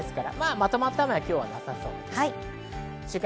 まとまった雨はなさそうです。